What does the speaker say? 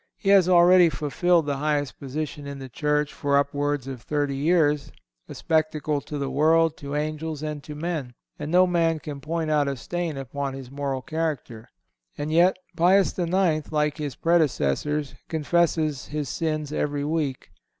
He has already filled the highest position in the Church for upwards of thirty years, "a spectacle to the world, to angels and to men," and no man can point out a stain upon his moral character. And yet Pius IX., like his predecessors, confesses his sins every week.